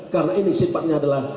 karena ini sifatnya adalah